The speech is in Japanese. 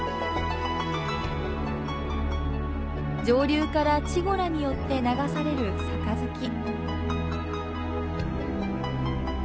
上流から稚児らによって流される杯。